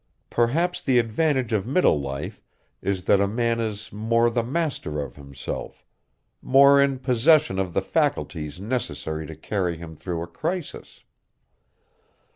Perhaps the advantage of middle life is that a man is more the master of himself, more in possession of the faculties necessary to carry him through a crisis.